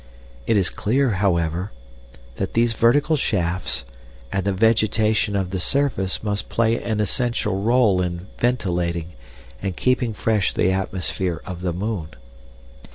It is clear, however, that these vertical shafts and the vegetation of the surface must play an essential role in ventilating and keeping fresh the atmosphere of the moon.